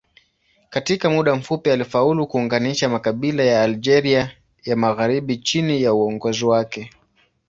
Katika muda mfupi alifaulu kuunganisha makabila ya Algeria ya magharibi chini ya uongozi wake.